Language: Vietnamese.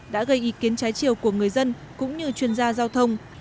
đã gây ý kiến trái chiều của người dân cũng như chuyên gia giao thông